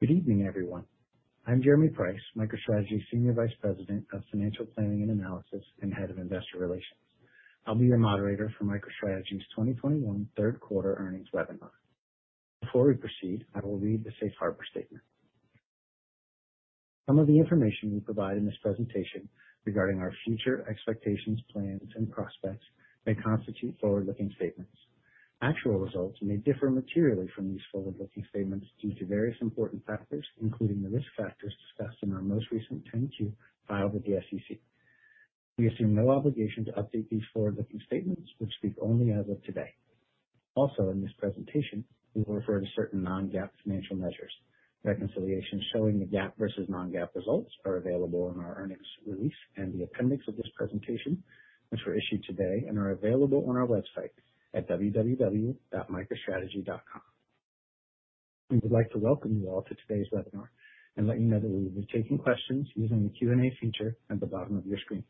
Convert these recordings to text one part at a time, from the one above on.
Good evening, everyone. I'm Jeremy Price, MicroStrategy Senior Vice President of Financial Planning and Analysis and Head of Investor Relations. I'll be your moderator for MicroStrategy's 2021 third quarter earnings webinar. Before we proceed, I will read the safe harbor statement. Some of the information we provide in this presentation regarding our future expectations, plans and prospects may constitute forward-looking statements. Actual results may differ materially from these forward-looking statements due to various important factors, including the risk factors discussed in our most recent 10-Q filed with the SEC. We assume no obligation to update these forward-looking statements, which speak only as of today. Also in this presentation, we refer to certain non-GAAP financial measures. Reconciliation showing the GAAP versus non-GAAP results are available in our earnings release in the appendix of this presentation, which were issued today and are available on our website at www.microstrategy.com. We would like to welcome you all to today's webinar and let you know that we will be taking questions using the Q&A feature at the bottom of your screen.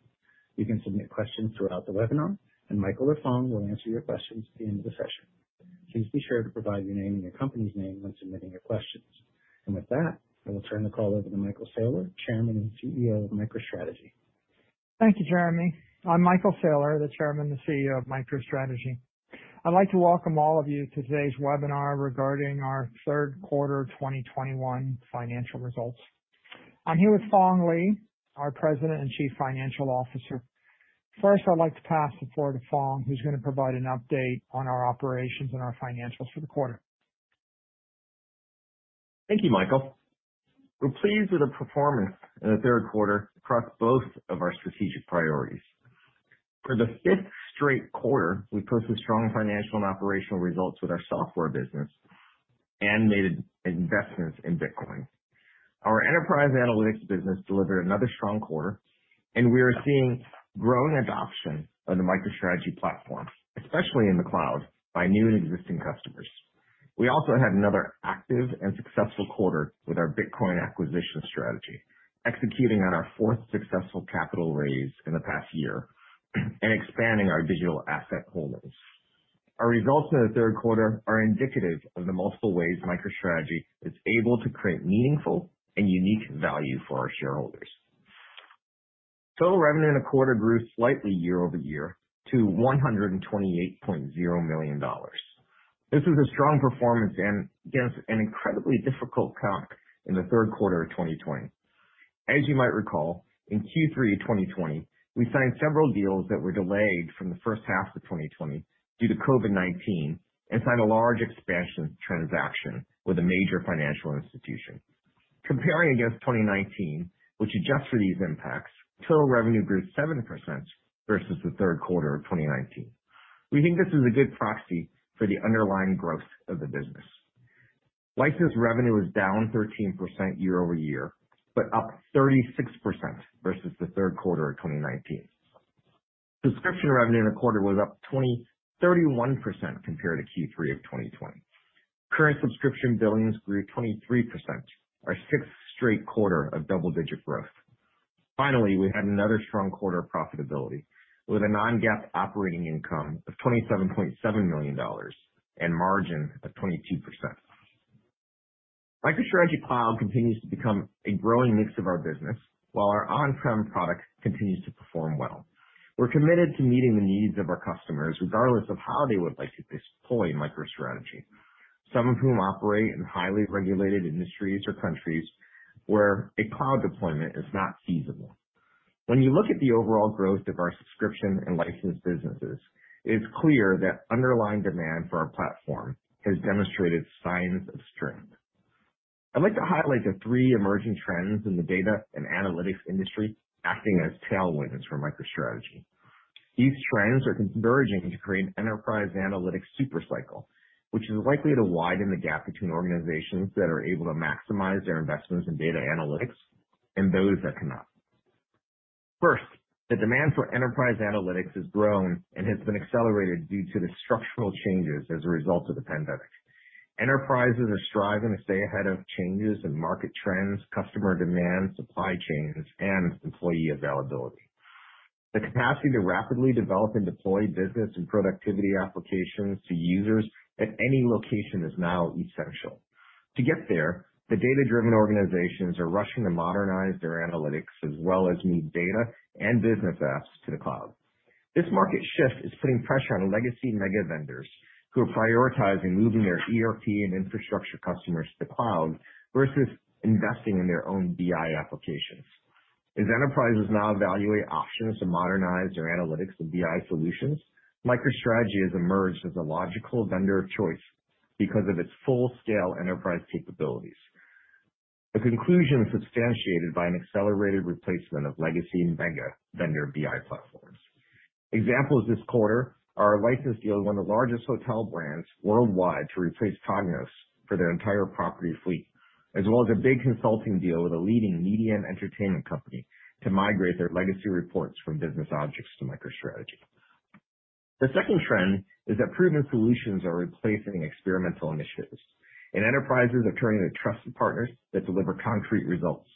You can submit questions throughout the webinar and Michael or Phong will answer your questions at the end of the session. Please be sure to provide your name and your company's name when submitting your questions. With that, I will turn the call over to Michael Saylor, Chairman and Chief Executive Officer of MicroStrategy. Thank you, Jeremy. I'm Michael Saylor, the Chairman and Chief Executive Officer of MicroStrategy. I'd like to welcome all of you to today's webinar regarding our third quarter 2021 financial results. I'm here with Phong Le, our President and Chief Financial Officer. First, I'd like to pass the floor to Phong, who's gonna provide an update on our operations and our financials for the quarter. Thank you, Michael. We're pleased with the performance in the third quarter across both of our strategic priorities. For the fifth straight quarter, we posted strong financial and operational results with our software business and made investments in Bitcoin. Our enterprise analytics business delivered another strong quarter, and we are seeing growing adoption of the MicroStrategy platform, especially in the cloud, by new and existing customers. We also had another active and successful quarter with our Bitcoin acquisition strategy, executing on our fourth successful capital raise in the past year and expanding our digital asset holdings. Our results in the third quarter are indicative of the multiple ways MicroStrategy is able to create meaningful and unique value for our shareholders. Total revenue in the quarter grew slightly year over year to $128.0 million. This was a strong performance against an incredibly difficult comp in the third quarter of 2020. As you might recall, in Q3 2020, we signed several deals that were delayed from the first half of 2020 due to COVID-19 and signed a large expansion transaction with a major financial institution. Comparing against 2019, which adjusts for these impacts, total revenue grew 7% versus the third quarter of 2019. We think this is a good proxy for the underlying growth of the business. License revenue is down 13% year-over-year, but up 36% versus the third quarter of 2019. Subscription revenue in the quarter was up 31% compared to Q3 of 2020. Current subscription billings grew 23%, our sixth straight quarter of double-digit growth. Finally, we had another strong quarter of profitability with a non-GAAP operating income of $27.7 million and margin of 22%. MicroStrategy Cloud continues to become a growing mix of our business, while our on-prem product continues to perform well. We're committed to meeting the needs of our customers regardless of how they would like to deploy MicroStrategy, some of whom operate in highly regulated industries or countries where a cloud deployment is not feasible. When you look at the overall growth of our subscription and license businesses, it's clear that underlying demand for our platform has demonstrated signs of strength. I'd like to highlight the three emerging trends in the data and analytics industry acting as tailwinds for MicroStrategy. These trends are converging to create an enterprise analytics super cycle, which is likely to widen the gap between organizations that are able to maximize their investments in data analytics and those that cannot. First, the demand for enterprise analytics has grown and has been accelerated due to the structural changes as a result of the pandemic. Enterprises are striving to stay ahead of changes in market trends, customer demand, supply chains, and employee availability. The capacity to rapidly develop and deploy business and productivity applications to users at any location is now essential. To get there, the data-driven organizations are rushing to modernize their analytics as well as move data and business apps to the cloud. This market shift is putting pressure on legacy mega vendors who are prioritizing moving their ERP and infrastructure customers to the cloud versus investing in their own BI applications. As enterprises now evaluate options to modernize their analytics and BI solutions, MicroStrategy has emerged as a logical vendor of choice because of its full-scale enterprise capabilities. The conclusion is substantiated by an accelerated replacement of legacy mega vendor BI platforms. Examples this quarter are a license deal with one of the largest hotel brands worldwide to replace Cognos for their entire property fleet, as well as a big consulting deal with a leading media and entertainment company to migrate their legacy reports from Business Objects to MicroStrategy. The second trend is that proven solutions are replacing experimental initiatives, and enterprises are turning to trusted partners that deliver concrete results.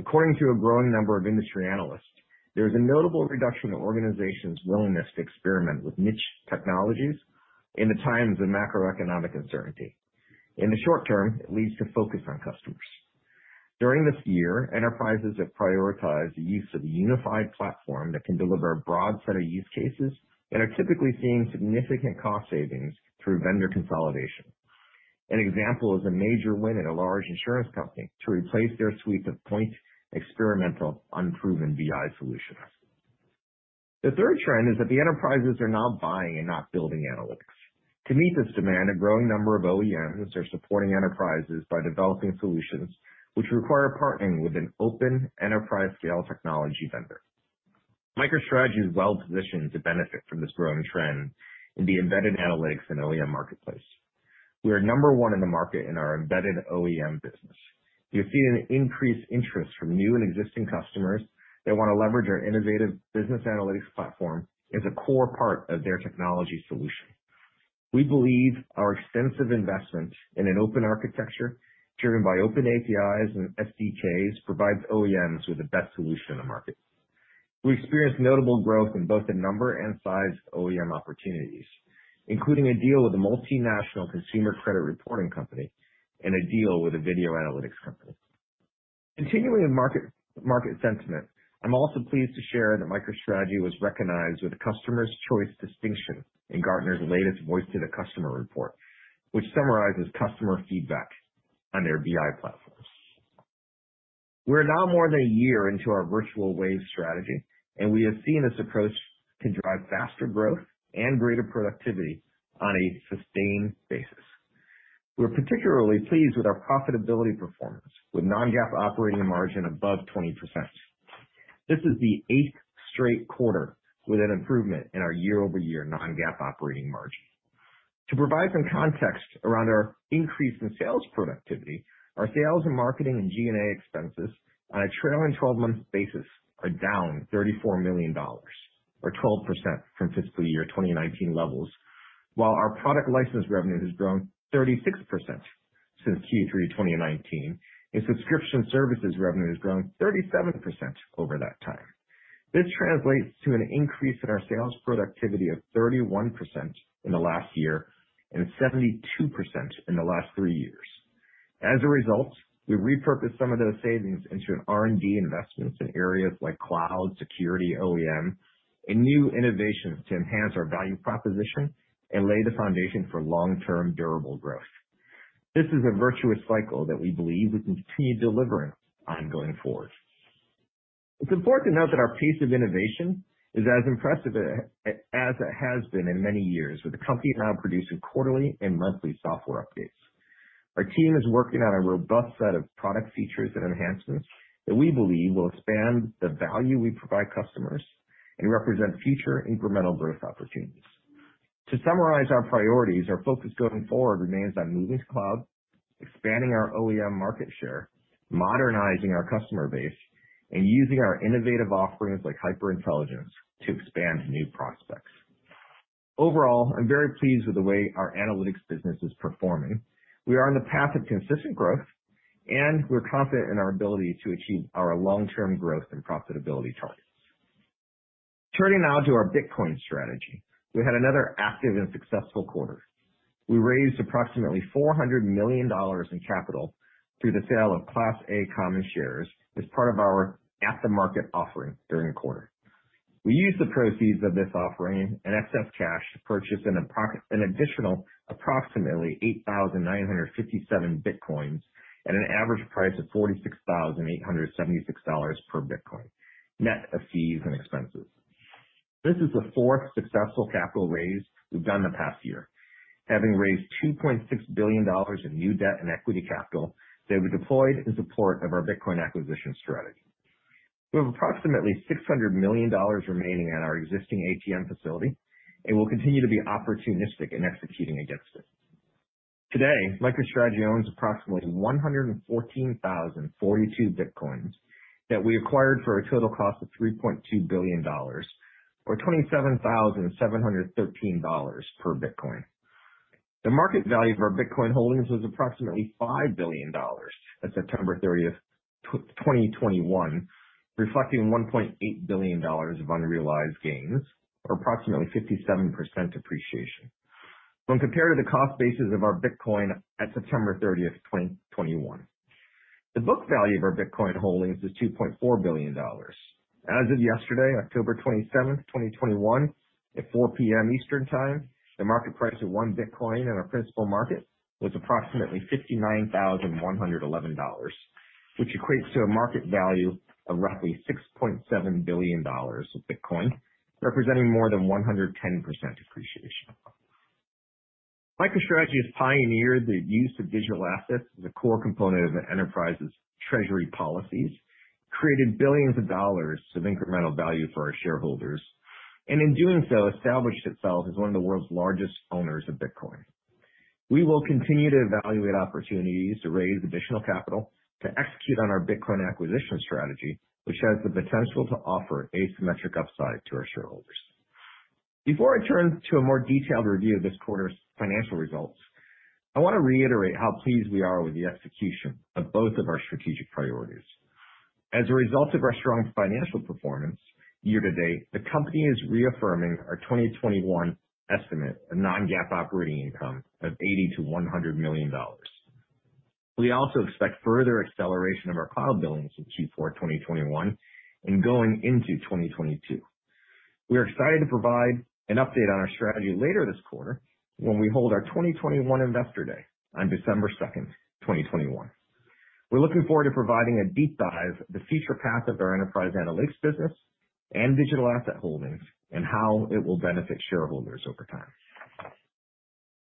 According to a growing number of industry analysts, there is a notable reduction in organizations' willingness to experiment with niche technologies in the times of macroeconomic uncertainty. In the short term, it leads to focus on customers. During this year, enterprises have prioritized the use of a unified platform that can deliver a broad set of use cases and are typically seeing significant cost savings through vendor consolidation. An example is a major win in a large insurance company to replace their suite of point experimental unproven BI solutions. The third trend is that the enterprises are now buying and not building analytics. To meet this demand, a growing number of OEMs are supporting enterprises by developing solutions which require partnering with an open enterprise-scale technology vendor. MicroStrategy is well-positioned to benefit from this growing trend in the embedded analytics and OEM marketplace. We are number one in the market in our embedded OEM business. We have seen an increased interest from new and existing customers that wanna leverage our innovative business analytics platform as a core part of their technology solution. We believe our extensive investment in an open architecture driven by open APIs and SDKs provides OEMs with the best solution in the market. We experienced notable growth in both the number and size of OEM opportunities, including a deal with a multinational consumer credit reporting company and a deal with a video analytics company. Continuing with market sentiment, I'm also pleased to share that MicroStrategy was recognized with a customers' choice distinction in Gartner's latest Voice of the Customer report, which summarizes customer feedback on their BI platforms. We're now more than a year into our Virtual Wave strategy, and we have seen this approach can drive faster growth and greater productivity on a sustained basis. We're particularly pleased with our profitability performance with non-GAAP operating margin above 20%. This is the eighth straight quarter with an improvement in our year-over-year non-GAAP operating margin. To provide some context around our increase in sales productivity, our sales and marketing and G&A expenses on a trailing twelve-month basis are down $34 million, or 12% from fiscal year 2019 levels, while our product license revenue has grown 36% since Q3 2019, and subscription services revenue has grown 37% over that time. This translates to an increase in our sales productivity of 31% in the last year and 72% in the last three years. As a result, we repurposed some of those savings into R&D investments in areas like cloud, security, OEM, and new innovations to enhance our value proposition and lay the foundation for long-term durable growth. This is a virtuous cycle that we believe we can continue delivering on going forward. It's important to note that our pace of innovation is as impressive as it has been in many years, with the company now producing quarterly and monthly software updates. Our team is working on a robust set of product features and enhancements that we believe will expand the value we provide customers and represent future incremental growth opportunities. To summarize our priorities, our focus going forward remains on moving to cloud, expanding our OEM market share, modernizing our customer base, and using our innovative offerings like HyperIntelligence to expand new prospects. Overall, I'm very pleased with the way our analytics business is performing. We are on the path of consistent growth, and we're confident in our ability to achieve our long-term growth and profitability targets. Turning now to our Bitcoin strategy. We had another active and successful quarter. We raised approximately $400 million in capital through the sale of Class A common shares as part of our at-the-market offering during the quarter. We used the proceeds of this offering and excess cash to purchase an additional approximately 8,957 Bitcoins at an average price of $46,876 per Bitcoin, net of fees and expenses. This is the fourth successful capital raise we've done in the past year, having raised $2.6 billion in new debt and equity capital that we deployed in support of our Bitcoin acquisition strategy. We have approximately $600 million remaining on our existing ATM facility, and we'll continue to be opportunistic in executing against it. Today, MicroStrategy owns approximately 114,042 Bitcoins that we acquired for a total cost of $3.2 billion or $27,713 per Bitcoin. The market value of our Bitcoin holdings was approximately $5 billion at September 30th, 2021, reflecting $1.8 billion of unrealized gains, or approximately 57% appreciation when compared to the cost basis of our Bitcoin at September 30th, 2021. The book value of our Bitcoin holdings is $2.4 billion. As of yesterday, October 27th, 2021 at 4:00 P.M. Eastern Time, the market price of one Bitcoin in our principal market was approximately $59,111, which equates to a market value of roughly $6.7 billion of Bitcoin, representing more than 110% appreciation. MicroStrategy has pioneered the use of digital assets as a core component of an enterprise's treasury policies, created billions of dollars of incremental value for our shareholders, and in doing so, established itself as one of the world's largest owners of Bitcoin. We will continue to evaluate opportunities to raise additional capital to execute on our Bitcoin acquisition strategy, which has the potential to offer asymmetric upside to our shareholders. Before I turn to a more detailed review of this quarter's financial results, I wanna reiterate how pleased we are with the execution of both of our strategic priorities. As a result of our strong financial performance year to date, the company is reaffirming our 2021 estimate of non-GAAP operating income of $80 million-$100 million. We also expect further acceleration of our cloud billings in Q4 2021 and going into 2022. We are excited to provide an update on our strategy later this quarter when we hold our 2021 investor day on December 2, 2021. We're looking forward to providing a deep dive the future path of our enterprise analytics business and digital asset holdings, and how it will benefit shareholders over time.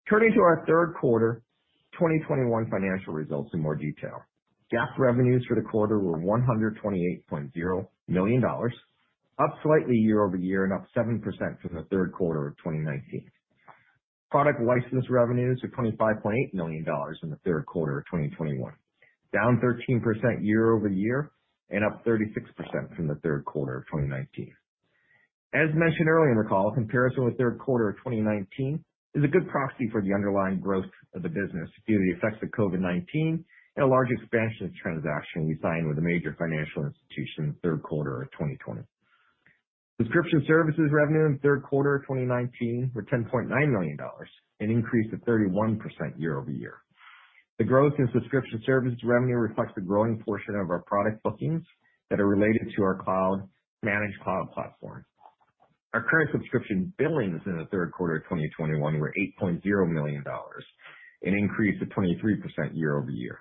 Turning to our third quarter, 2021 financial results in more detail. GAAP revenues for the quarter were $128.0 million, up slightly year-over-year and up 7% from the third quarter of 2019. Product license revenues are $25.8 million in the third quarter of 2021, down 13% year-over-year and up 36% from the third quarter of 2019. As mentioned earlier in the call, comparison with third quarter of 2019 is a good proxy for the underlying growth of the business due to the effects of COVID-19 and a large expansion transaction we signed with a major financial institution in third quarter of 2020. Subscription services revenue in third quarter of 2019 were $10.9 million, an increase of 31% year-over-year. The growth in subscription services revenue reflects the growing portion of our product bookings that are related to our cloud, managed cloud platform. Our current subscription billings in the third quarter of 2021 were $8.0 million, an increase of 23% year-over-year.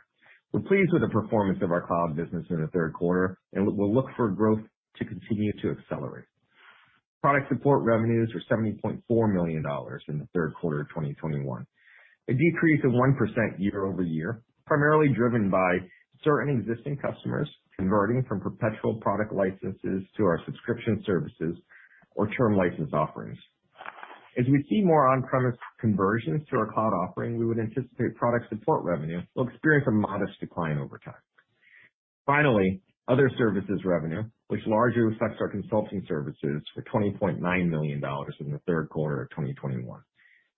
We're pleased with the performance of our cloud business in the third quarter, and we'll look for growth to continue to accelerate. Product support revenues were $70.4 million in the third quarter of 2021, a decrease of 1% year-over-year, primarily driven by certain existing customers converting from perpetual product licenses to our subscription services or term license offerings. As we see more on-premise conversions to our cloud offering, we would anticipate product support revenue will experience a modest decline over time. Finally, other services revenue, which largely affects our consulting services were $20.9 million in the third quarter of 2021,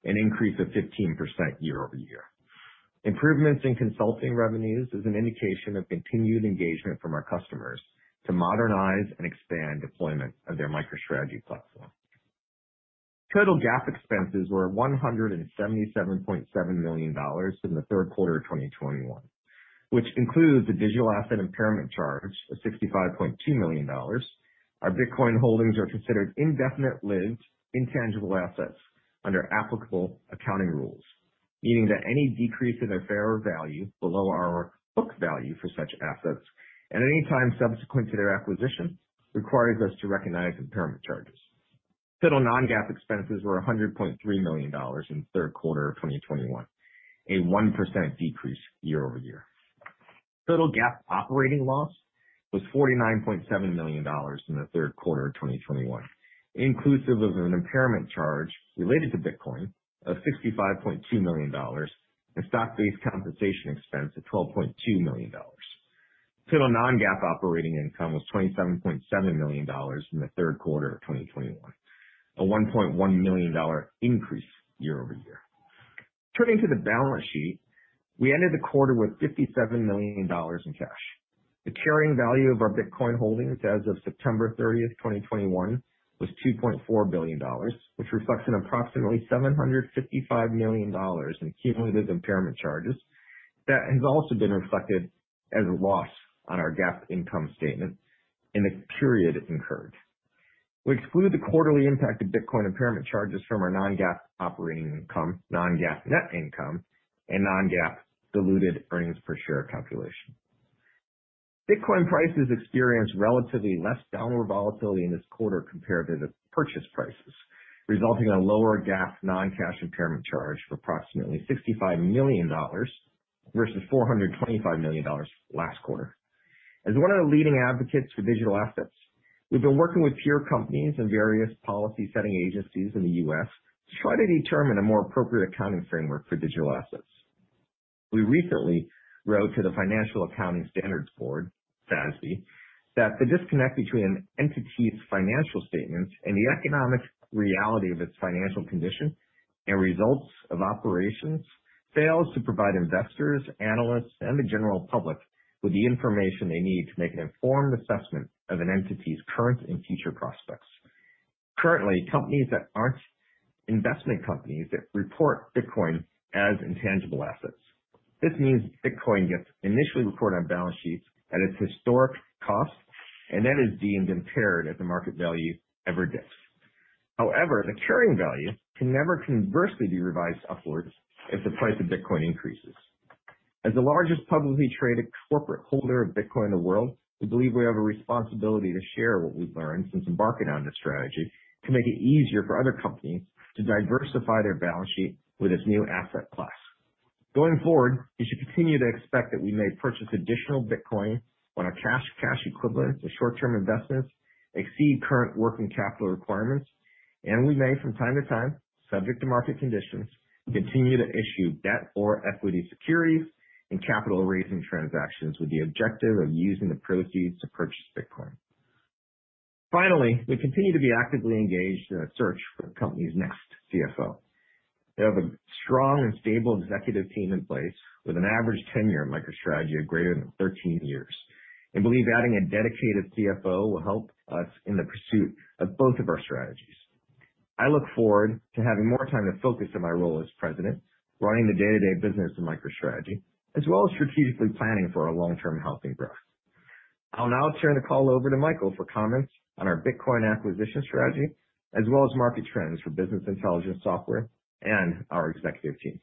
an increase of 15% year-over-year. Improvements in consulting revenues is an indication of continued engagement from our customers to modernize and expand deployment of their MicroStrategy platform. Total GAAP expenses were $177.7 million in the third quarter of 2021, which includes the digital asset impairment charge of $65.2 million. Our Bitcoin holdings are considered indefinite-lived intangible assets under applicable accounting rules, meaning that any decrease in their fair value below our book value for such assets at any time subsequent to their acquisition requires us to recognize impairment charges. Total non-GAAP expenses were $100.3 million in the third quarter of 2021, a 1% decrease year-over-year. Total GAAP operating loss was $49.7 million in the third quarter of 2021, inclusive of an impairment charge related to Bitcoin of $65.2 million and stock-based compensation expense of $12.2 million. Total non-GAAP operating income was $27.7 million in the third quarter of 2021, a $1.1 million increase year-over-year. Turning to the balance sheet, we ended the quarter with $57 million in cash. The carrying value of our Bitcoin holdings as of September 30, 2021 was $2.4 billion, which reflects an approximately $755 million in cumulative impairment charges that has also been reflected as a loss on our GAAP income statement in the period it's incurred. We exclude the quarterly impact of Bitcoin impairment charges from our non-GAAP operating income, non-GAAP net income, and non-GAAP diluted earnings per share calculation. Bitcoin prices experienced relatively less downward volatility in this quarter compared to the purchase prices, resulting in a lower GAAP non-cash impairment charge of approximately $65 million versus $425 million last quarter. As one of the leading advocates for digital assets, we've been working with peer companies and various policy-setting agencies in the U.S. to try to determine a more appropriate accounting framework for digital assets. We recently wrote to the Financial Accounting Standards Board, FASB, that the disconnect between an entity's financial statements and the economic reality of its financial condition and results of operations fails to provide investors, analysts, and the general public with the information they need to make an informed assessment of an entity's current and future prospects. Currently, companies that aren't investment companies that report Bitcoin as intangible assets. This means Bitcoin gets initially reported on balance sheets at its historical cost and then is deemed impaired if the market value ever dips. However, the carrying value can never conversely be revised upwards if the price of Bitcoin increases. As the largest publicly traded corporate holder of Bitcoin in the world, we believe we have a responsibility to share what we've learned since embarking on this strategy to make it easier for other companies to diversify their balance sheet with this new asset class. Going forward, you should continue to expect that we may purchase additional Bitcoin when our cash equivalents, or short-term investments exceed current working capital requirements. We may from time to time, subject to market conditions, continue to issue debt or equity securities and capital raising transactions with the objective of using the proceeds to purchase Bitcoin. Finally, we continue to be actively engaged in a search for the company's next Chief Financial Officer. We have a strong and stable executive team in place with an average tenure at MicroStrategy of greater than 13 years and believe adding a dedicated Chief Financial Officer will help us in the pursuit of both of our strategies. I look forward to having more time to focus on my role as president, running the day-to-day business of MicroStrategy, as well as strategically planning for our long-term healthy growth. I'll now turn the call over to Michael for comments on our Bitcoin acquisition strategy, as well as market trends for business intelligence software and our executive team.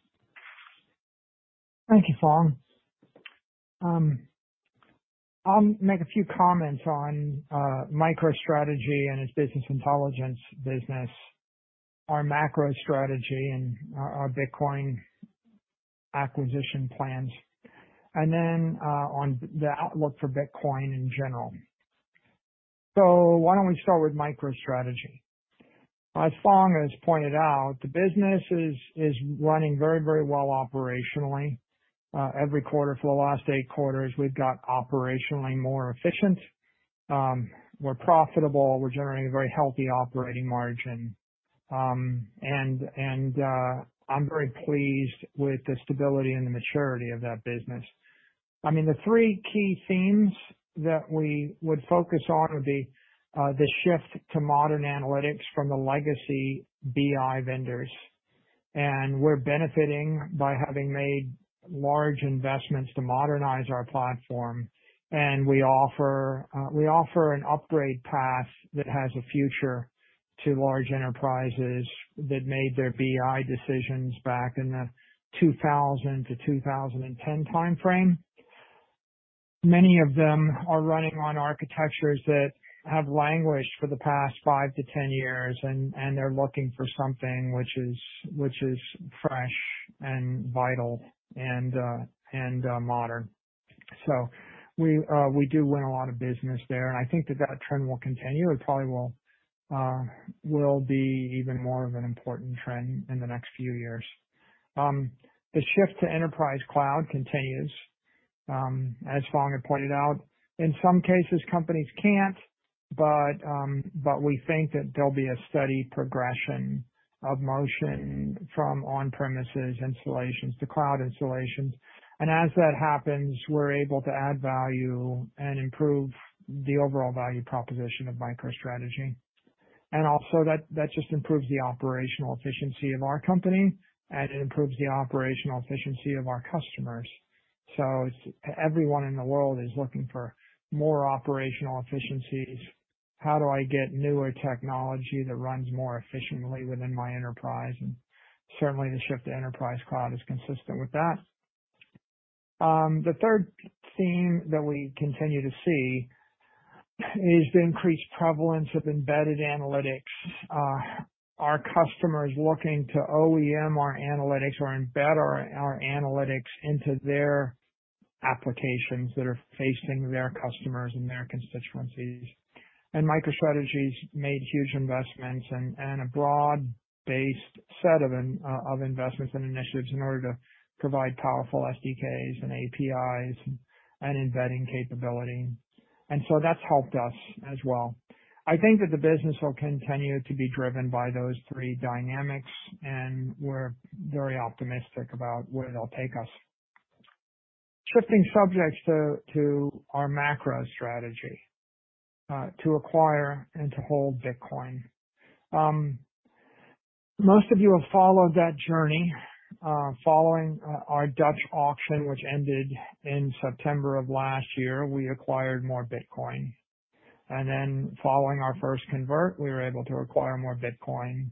Thank you, Phong. I'll make a few comments on MicroStrategy and its business intelligence business, our macro strategy and our Bitcoin acquisition plans, and then on the outlook for Bitcoin in general. Why don't we start with MicroStrategy? As Phong has pointed out, the business is running very, very well operationally. Every quarter for the last eight quarters, we've got operationally more efficient, we're profitable, we're generating a very healthy operating margin. I'm very pleased with the stability and the maturity of that business. I mean, the three key themes that we would focus on would be the shift to modern analytics from the legacy BI vendors. We're benefiting by having made large investments to modernize our platform. We offer an upgrade path that has a future to large enterprises that made their BI decisions back in the 2000 to 2010 timeframe. Many of them are running on architectures that have languished for the past five to 10 years, and they're looking for something which is fresh and vital and modern. We do win a lot of business there, and I think that trend will continue. It probably will be even more of an important trend in the next few years. The shift to enterprise cloud continues, as Phong had pointed out. In some cases, companies can't, but we think that there'll be a steady progression of motion from on-premises installations to cloud installations. As that happens, we're able to add value and improve the overall value proposition of MicroStrategy. Also that just improves the operational efficiency of our company and it improves the operational efficiency of our customers. It's everyone in the world is looking for more operational efficiencies. How do I get newer technology that runs more efficiently within my enterprise? Certainly the shift to enterprise cloud is consistent with that. The third theme that we continue to see is the increased prevalence of embedded analytics. Our customers looking to OEM our analytics or embed our analytics into their applications that are facing their customers and their constituencies. MicroStrategy's made huge investments and a broad-based set of investments and initiatives in order to provide powerful SDKs and APIs and embedding capability. That's helped us as well. I think that the business will continue to be driven by those three dynamics, and we're very optimistic about where they'll take us. Shifting subjects to our MicroStrategy to acquire and to hold Bitcoin. Most of you have followed that journey. Following our Dutch auction, which ended in September of last year, we acquired more Bitcoin. Following our first convert, we were able to acquire more Bitcoin.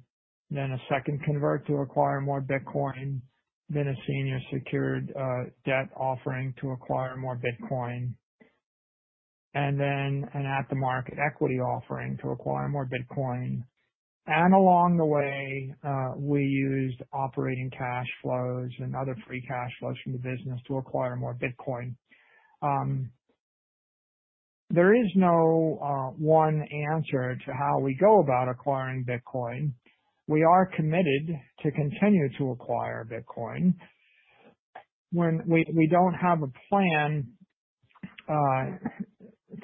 A second convert to acquire more Bitcoin, then a senior secured debt offering to acquire more Bitcoin, and then an at-the-market equity offering to acquire more Bitcoin. Along the way, we used operating cash flows and other free cash flows from the business to acquire more Bitcoin. There is no one answer to how we go about acquiring Bitcoin. We are committed to continue to acquire Bitcoin. We don't have a plan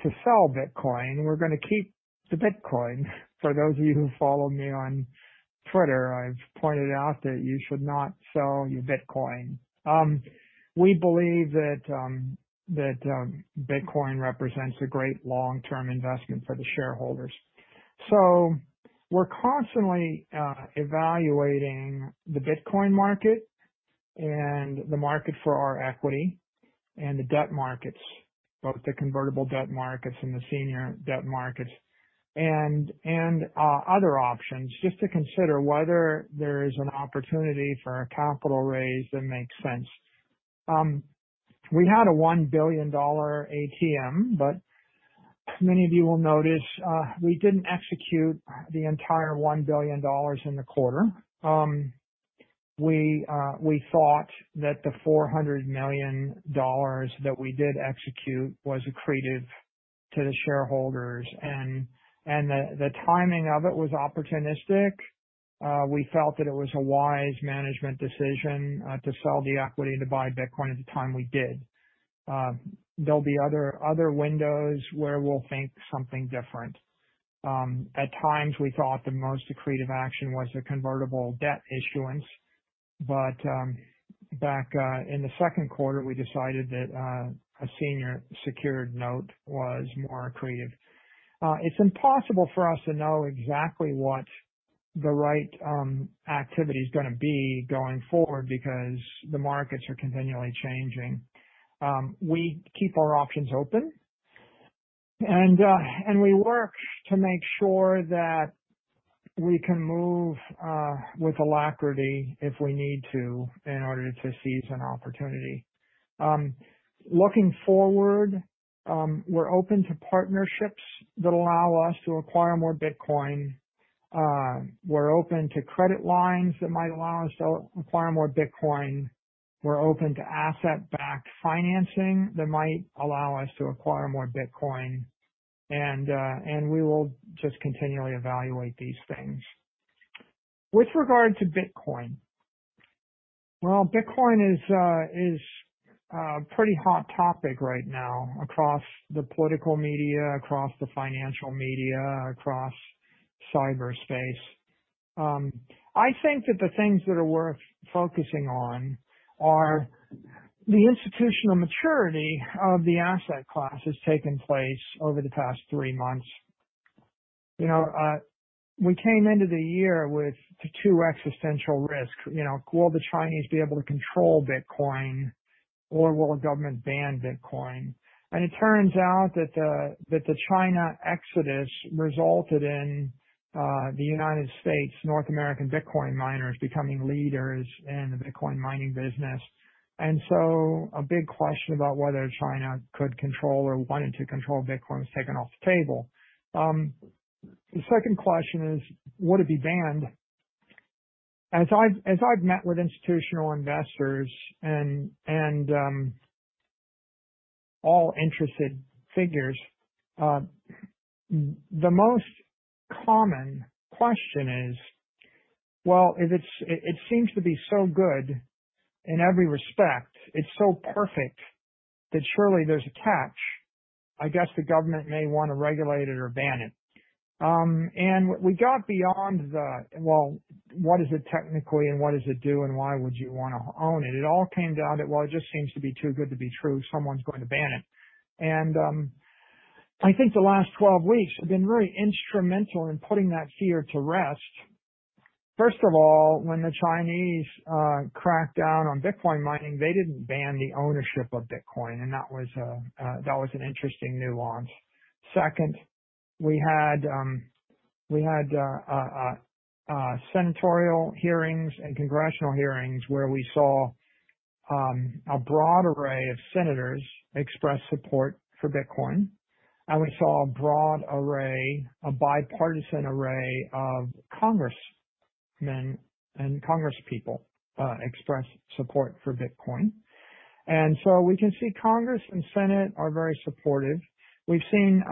to sell Bitcoin. We're gonna keep the Bitcoin. For those of you who follow me on Twitter, I've pointed out that you should not sell your Bitcoin. We believe that Bitcoin represents a great long-term investment for the shareholders. We're constantly evaluating the Bitcoin market and the market for our equity and the debt markets, both the convertible debt markets and the senior debt markets, and other options, just to consider whether there is an opportunity for a capital raise that makes sense. We had a $1 billion ATM, but many of you will notice, we didn't execute the entire $1 billion in the quarter. We thought that the $400 million that we did execute was accretive to the shareholders. The timing of it was opportunistic. We felt that it was a wise management decision to sell the equity to buy Bitcoin at the time we did. There'll be other windows where we'll think something different. At times, we thought the most accretive action was a convertible debt issuance. Back in the second quarter, we decided that a senior secured note was more accretive. It's impossible for us to know exactly what the right activity is gonna be going forward because the markets are continually changing. We keep our options open, and we work to make sure that we can move with alacrity if we need to in order to seize an opportunity. Looking forward, we're open to partnerships that allow us to acquire more Bitcoin. We're open to credit lines that might allow us to acquire more Bitcoin. We're open to asset-backed financing that might allow us to acquire more Bitcoin. And we will just continually evaluate these things. With regard to Bitcoin. Well, Bitcoin is a pretty hot topic right now across the political media, across the financial media, across cyberspace. I think that the things that are worth focusing on are the institutional maturity of the asset class has taken place over the past three months. You know, we came into the year with two existential risks. You know, will the Chinese be able to control Bitcoin or will government ban Bitcoin? And it turns out that the China exodus resulted in the United States, North American Bitcoin miners becoming leaders in the Bitcoin mining business. A big question about whether China could control or wanted to control Bitcoin was taken off the table. The second question is, would it be banned? As I've met with institutional investors and all interested figures, the most common question is, well, if it's, it seems to be so good in every respect, it's so perfect that surely there's a catch. I guess the government may wanna regulate it or ban it. We got beyond the, well, what is it technically and what does it do and why would you wanna own it? It all came down to, well, it just seems to be too good to be true. Someone's going to ban it. I think the last 12 weeks have been very instrumental in putting that fear to rest. First of all, when the Chinese cracked down on Bitcoin mining, they didn't ban the ownership of Bitcoin, and that was an interesting nuance. Second, we had senatorial hearings and congressional hearings where we saw a broad array of senators express support for Bitcoin. We saw a broad array, a bipartisan array of congressmen and congress-people express support for Bitcoin. We can see Congress and Senate are very supportive. We've seen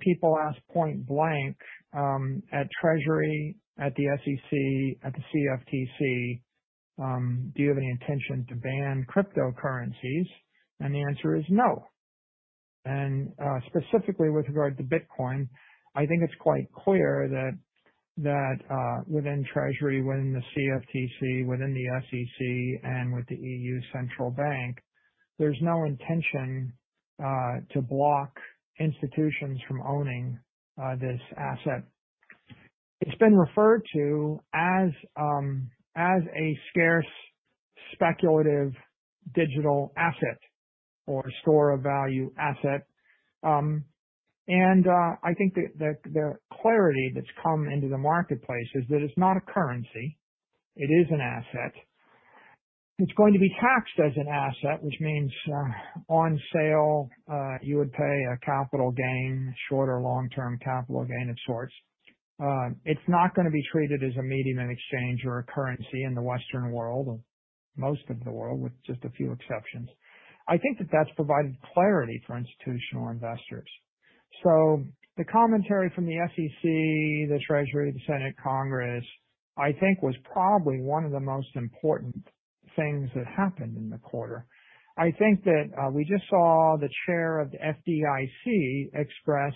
people ask point-blank at Treasury, at the SEC, at the CFTC, do you have any intention to ban cryptocurrencies? The answer is no. Specifically with regard to Bitcoin, I think it's quite clear that within Treasury, within the CFTC, within the SEC, and with the European Central Bank, there's no intention to block institutions from owning this asset. It's been referred to as a scarce, speculative digital asset or store of value asset. I think the clarity that's come into the marketplace is that it's not a currency, it is an asset. It's going to be taxed as an asset, which means on sale you would pay a capital gain, short or long-term capital gain of sorts. It's not gonna be treated as a medium in exchange or a currency in the Western world or most of the world, with just a few exceptions. I think that that's provided clarity for institutional investors. The commentary from the SEC, the Treasury, the Senate, Congress, I think was probably one of the most important things that happened in the quarter. I think that we just saw the chair of the FDIC express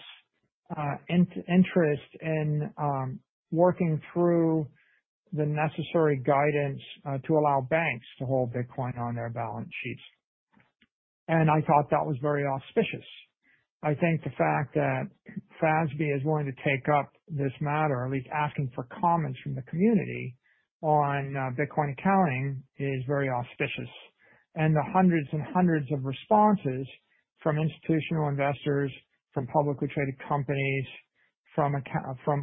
interest in working through the necessary guidance to allow banks to hold Bitcoin on their balance sheets. I thought that was very auspicious. I think the fact that FASB is willing to take up this matter, at least asking for comments from the community on Bitcoin accounting is very auspicious. The hundreds and hundreds of responses from institutional investors, from publicly traded companies, from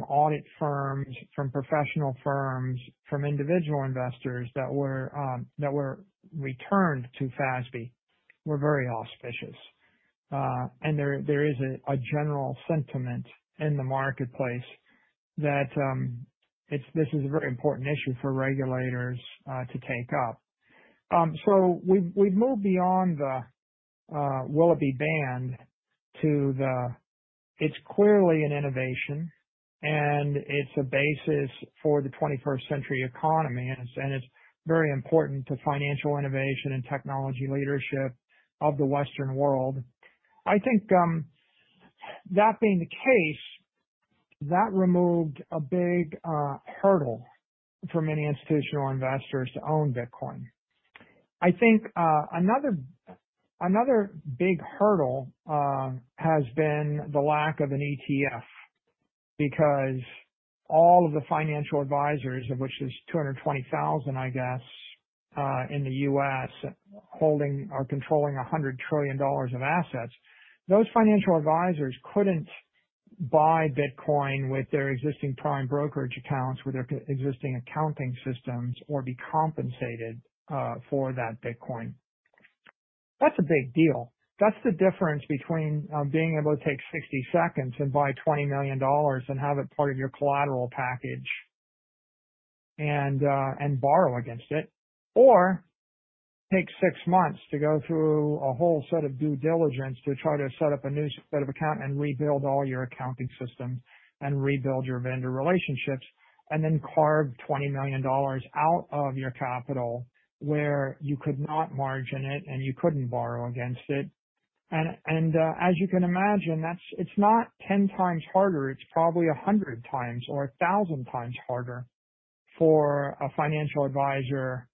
audit firms, from professional firms, from individual investors that were returned to FASB were very auspicious. There is a general sentiment in the marketplace that this is a very important issue for regulators to take up. We've moved beyond the will it be banned to the it's clearly an innovation, and it's a basis for the twenty-first century economy, and it's very important to financial innovation and technology leadership of the Western world. I think that being the case, that removed a big hurdle for many institutional investors to own Bitcoin. I think, another big hurdle has been the lack of an ETF because all of the financial advisors, of which there's 220,000, I guess, in the U.S. holding or controlling $100 trillion of assets, those financial advisors couldn't buy Bitcoin with their existing prime brokerage accounts, with their existing accounting systems or be compensated for that Bitcoin. That's a big deal. That's the difference between being able to take 60 seconds and buy $20 million and have it part of your collateral package and borrow against it or take six months to go through a whole set of due diligence to try to set up a new set of account and rebuild all your accounting systems and rebuild your vendor relationships and then carve $20 million out of your capital where you could not margin it and you couldn't borrow against it. As you can imagine, that's. It's not 10 times harder. It's probably 100 times or 1,000 times harder for a financial advisor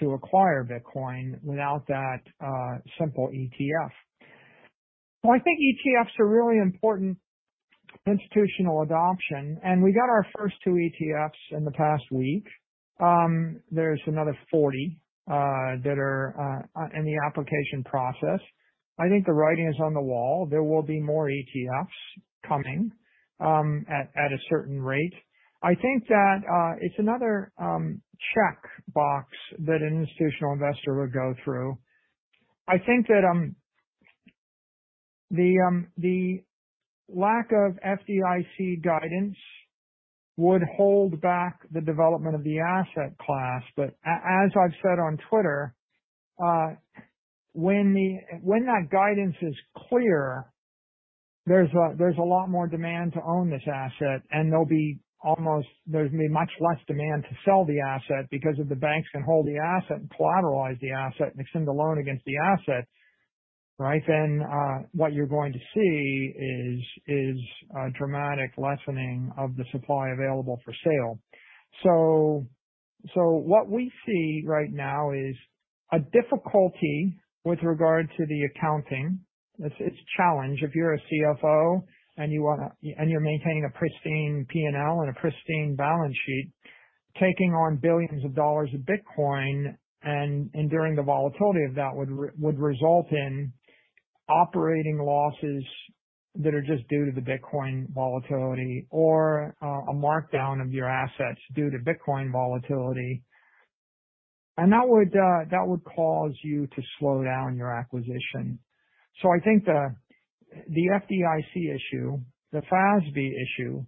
to acquire Bitcoin without that simple ETF. I think ETFs are really important institutional adoption, and we got our first two ETFs in the past week. There's another 40 that are in the application process. I think the writing is on the wall. There will be more ETFs coming at a certain rate. I think that it's another checkbox that an institutional investor would go through. I think that the lack of FDIC guidance would hold back the development of the asset class. As I've said on Twitter, when that guidance is clear, there's a lot more demand to own this asset, and there's gonna be much less demand to sell the asset because if the banks can hold the asset and collateralize the asset and extend a loan against the asset, right? What you're going to see is a dramatic lessening of the supply available for sale. What we see right now is a difficulty with regard to the accounting. It's a challenge if you're a Chief Financial Officer and you're maintaining a pristine P&L and a pristine balance sheet, taking on billions of dollars of Bitcoin and enduring the volatility of that would result in operating losses that are just due to the Bitcoin volatility or a markdown of your assets due to Bitcoin volatility. That would cause you to slow down your acquisition. I think the FDIC issue, the FASB issue,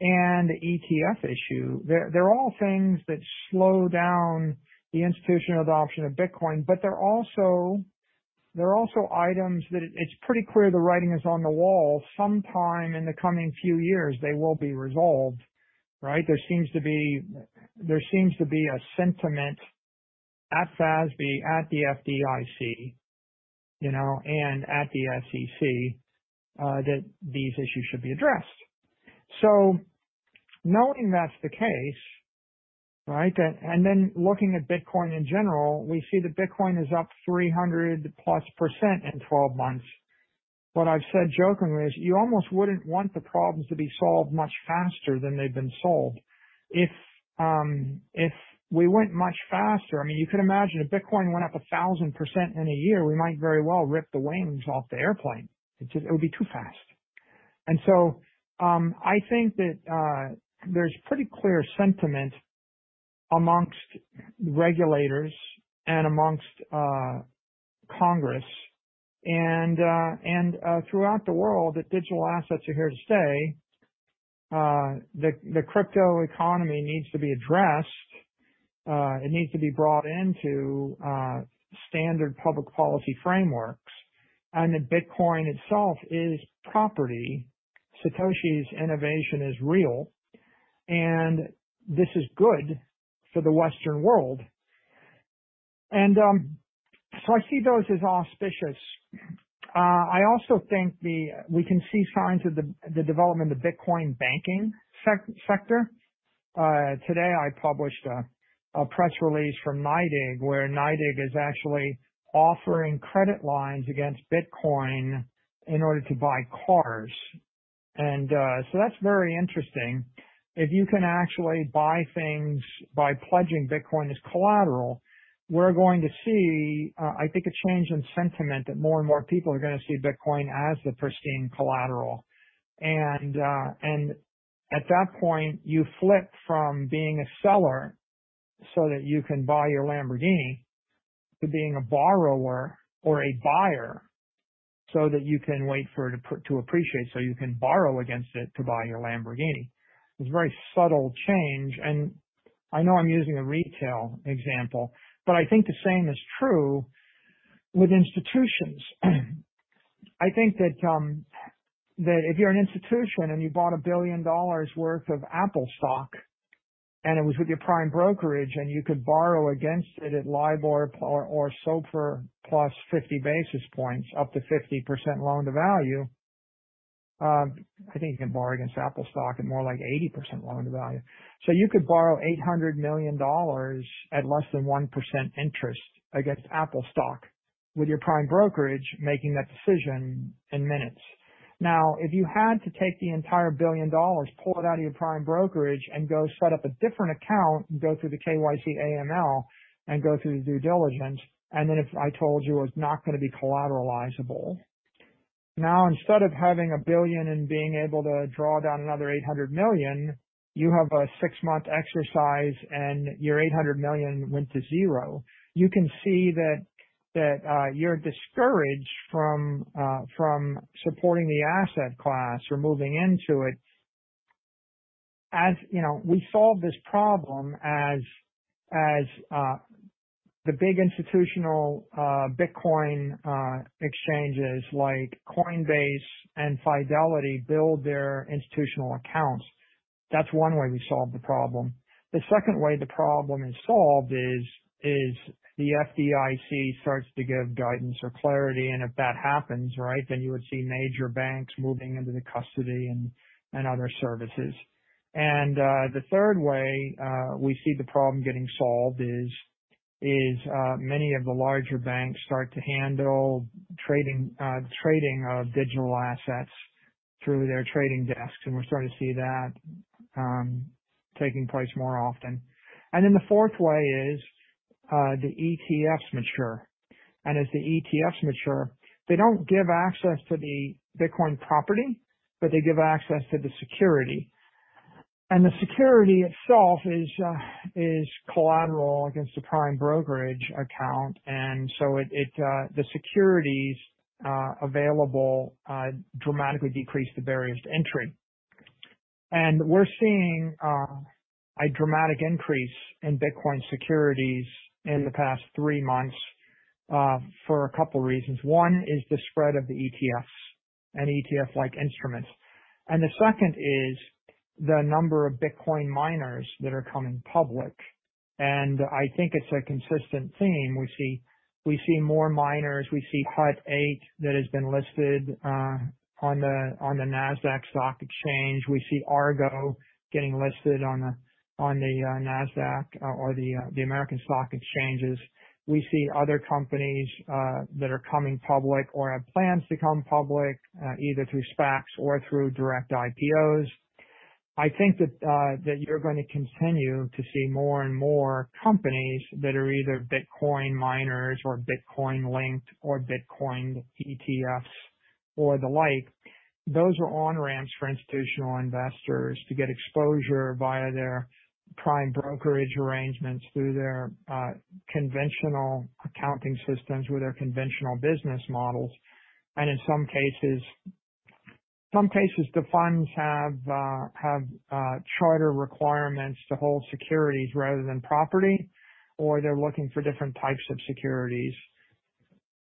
and the ETF issue, they're all things that slow down the institutional adoption of Bitcoin, but they're also items that it's pretty clear the writing is on the wall. Sometime in the coming few years, they will be resolved, right? There seems to be a sentiment at FASB, at the FDIC, you know, and at the SEC that these issues should be addressed. Knowing that's the case, and then looking at Bitcoin in general, we see that Bitcoin is up 300%+ in 12 months. What I've said jokingly is you almost wouldn't want the problems to be solved much faster than they've been solved. If we went much faster, I mean, you could imagine if Bitcoin went up 1,000% in a year, we might very well rip the wings off the airplane. It just would be too fast. I think that there's pretty clear sentiment amongst regulators and amongst Congress and throughout the world that digital assets are here to stay. The crypto economy needs to be addressed. It needs to be brought into standard public policy frameworks. Bitcoin itself is property. Satoshi's innovation is real, and this is good for the Western world. I see those as auspicious. I also think we can see signs of the development of Bitcoin banking sector. Today I published a press release from NYDIG, where NYDIG is actually offering credit lines against Bitcoin in order to buy cars. That's very interesting. If you can actually buy things by pledging Bitcoin as collateral, we're going to see, I think a change in sentiment that more and more people are gonna see Bitcoin as the pristine collateral. At that point, you flip from being a seller so that you can buy your Lamborghini to being a borrower or a buyer. So that you can wait for it to appreciate, so you can borrow against it to buy your Lamborghini. It's a very subtle change, and I know I'm using a retail example, but I think the same is true with institutions. I think that if you're an institution and you bought $1 billion worth of Apple stock, and it was with your prime brokerage, and you could borrow against it at LIBOR or SOFR plus 50 basis points, up to 50% loan to value. I think you can borrow against Apple stock at more like 80% loan to value. You could borrow $800 million at less than 1% interest against Apple stock with your prime brokerage making that decision in minutes. Now, if you had to take the entire $1 billion, pull it out of your prime brokerage and go set up a different account and go through the KYC, AML and go through the due diligence, and then if I told you it was not gonna be collateralizable. Now instead of having a $1 billion and being able to draw down another $800 million, you have a six-month exercise and your $800 million went to zero. You can see that you're discouraged from supporting the asset class or moving into it. As you know, we solve this problem as the big institutional Bitcoin exchanges like Coinbase and Fidelity build their institutional accounts. That's one way we solve the problem. The second way the problem is solved is the FDIC starts to give guidance or clarity, and if that happens, right, then you would see major banks moving into the custody and other services. The third way we see the problem getting solved is many of the larger banks start to handle trading of digital assets through their trading desks, and we're starting to see that taking place more often. The fourth way is the ETFs mature. As the ETFs mature, they don't give access to the Bitcoin property, but they give access to the security. The security itself is collateral against a prime brokerage account, and so the securities available dramatically decrease the barriers to entry. We're seeing a dramatic increase in Bitcoin securities in the past three months for a couple reasons. One is the spread of the ETFs and ETF-like instruments. The second is the number of Bitcoin miners that are coming public. I think it's a consistent theme. We see more miners. We see Hut 8 that has been listed on the Nasdaq. We see Argo getting listed on the Nasdaq or the American stock exchanges. We see other companies that are coming public or have plans to come public either through SPACs or through direct IPOs. I think that you're going to continue to see more and more companies that are either Bitcoin miners or Bitcoin-linked or Bitcoin ETFs or the like. Those are on-ramps for institutional investors to get exposure via their prime brokerage arrangements through their conventional accounting systems with their conventional business models. In some cases, the funds have charter requirements to hold securities rather than property, or they're looking for different types of securities.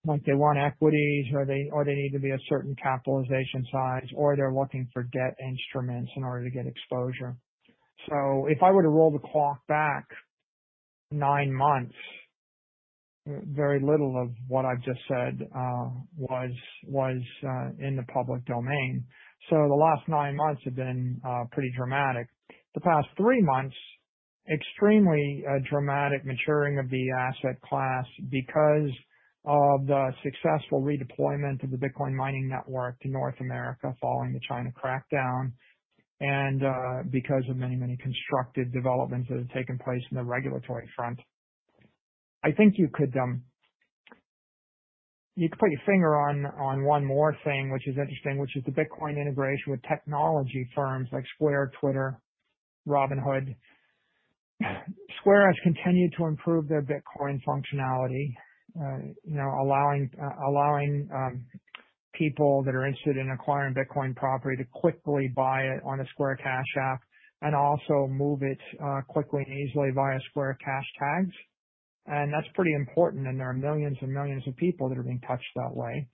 Like they want equities or they need to be a certain capitalization size, or they're looking for debt instruments in order to get exposure. If I were to roll the clock back nine months, very little of what I've just said was in the public domain. The last nine months have been pretty dramatic. The past three months, extremely dramatic maturing of the asset class because of the successful redeployment of the Bitcoin mining network to North America following the China crackdown and because of many, many constructive developments that have taken place in the regulatory front. I think you could put your finger on one more thing which is interesting, which is the Bitcoin integration with technology firms like Square, Twitter, Robinhood. Square has continued to improve their Bitcoin functionality, you know, allowing people that are interested in acquiring Bitcoin property to quickly buy it on a Square Cash App and also move it quickly and easily via Square Cashtags. That's pretty important, and there are millions and millions of people that are being touched that way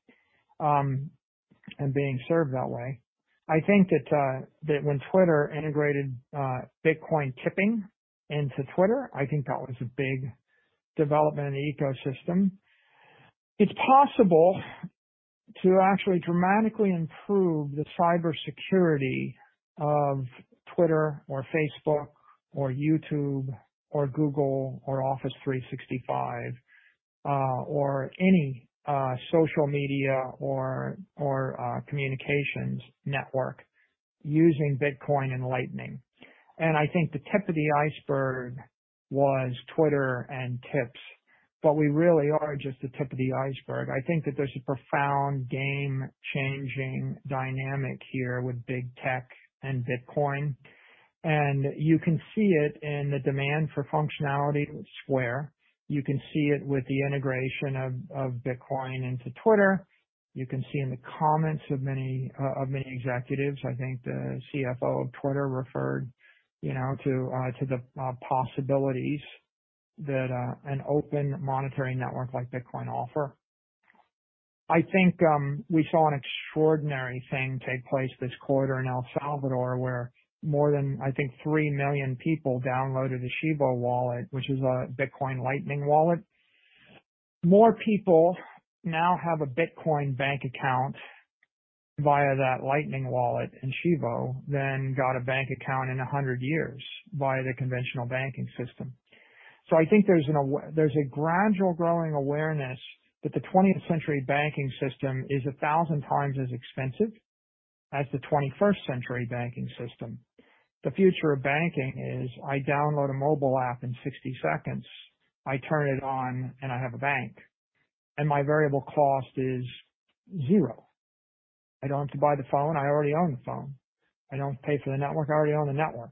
and being served that way. I think that when Twitter integrated Bitcoin tipping into Twitter, I think that was a big development in the ecosystem. It's possible to actually dramatically improve the cybersecurity of Twitter or Facebook or YouTube or Google or Office 365 or any social media or communications network using Bitcoin and Lightning. I think the tip of the iceberg was Twitter and tips. But we really are just the tip of the iceberg. I think that there's a profound game-changing dynamic here with big tech and Bitcoin. You can see it in the demand for functionality with Square. You can see it with the integration of Bitcoin into Twitter. You can see it in the comments of many executives. I think the Chief Financial Officer of Twitter referred, you know, to the possibilities that an open monetary network like Bitcoin offer. I think we saw an extraordinary thing take place this quarter in El Salvador, where more than, I think, three million people downloaded a Chivo Wallet, which is a Bitcoin Lightning wallet. More people now have a Bitcoin bank account via that Lightning wallet in Chivo than got a bank account in 100 years via the conventional banking system. I think there's a gradual growing awareness that the twentieth century banking system is 1,000 times as expensive as the 21st century banking system. The future of banking is I download a mobile app in 60 seconds, I turn it on, and I have a bank, and my variable cost is zero. I don't have to buy the phone. I already own the phone. I don't pay for the network. I already own the network,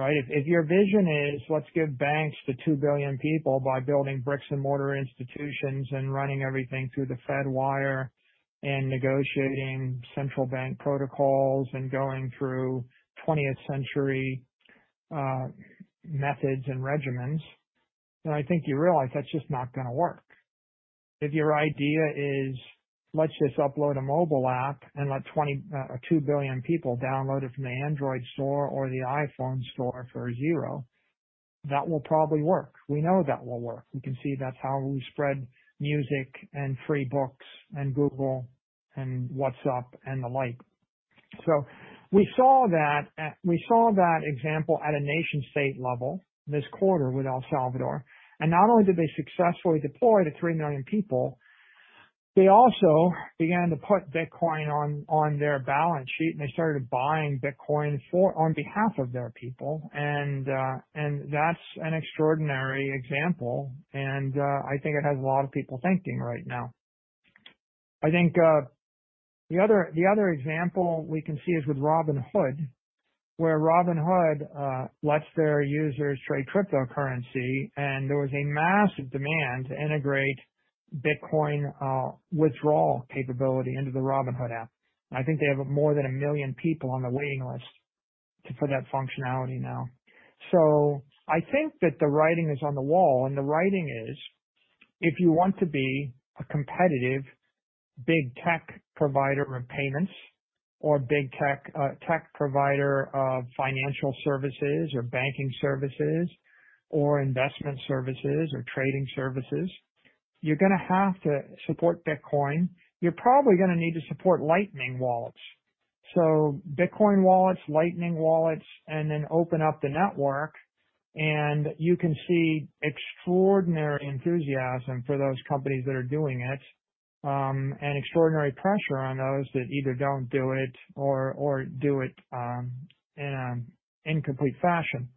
right? If your vision is let's give banks to two billion people by building bricks and mortar institutions and running everything through the Fedwire and negotiating central bank protocols and going through 20th century methods and regimens, then I think you realize that's just not gonna work. If your idea is let's just upload a mobile app and let 22 billion people download it from the Android store or the iPhone store for zero, that will probably work. We know that will work. We can see that's how we spread music and free books and Google and WhatsApp and the like. We saw that example at a nation-state level this quarter with El Salvador, and not only did they successfully deploy to three million people, they also began to put Bitcoin on their balance sheet, and they started buying Bitcoin on behalf of their people. That's an extraordinary example, and I think it has a lot of people thinking right now. I think the other example we can see is with Robinhood, where Robinhood lets their users trade cryptocurrency, and there was a massive demand to integrate Bitcoin withdrawal capability into the Robinhood app. I think they have more than one million people on the waiting list to put that functionality now. I think that the writing is on the wall, and the writing is, if you want to be a competitive big tech provider in payments or big tech provider of financial services or banking services or investment services or trading services, you're gonna have to support Bitcoin. You're probably gonna need to support Lightning wallets. Bitcoin wallets, Lightning wallets, and then open up the network, and you can see extraordinary enthusiasm for those companies that are doing it, and extraordinary pressure on those that either don't do it or do it, in a incomplete fashion.